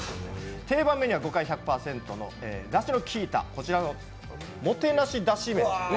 定番メニューは魚介１００％のだしのきいたこちらの饗だし麺。